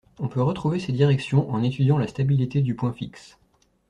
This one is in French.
On peut retrouver ces directions en étudiant la stabilité du point fixe